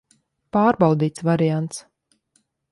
Pārbaudīts variants.